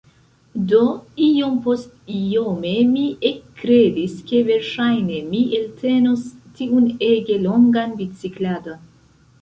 Do, iompostiome mi ekkredis, ke verŝajne mi eltenos tiun ege longan bicikladon.